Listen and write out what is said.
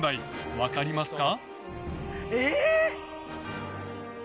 分かりますか？